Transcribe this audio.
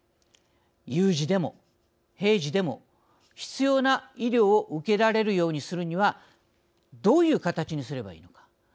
有事でも平時でも必要な医療を受けられるようにするにはどういう形にすればいいのか。